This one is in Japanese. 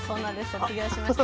卒業しました。